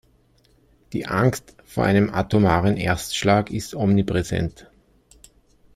Die Angst vor einem atomaren Erstschlag ist omnipräsent.